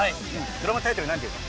ドラマタイトルなんていうの？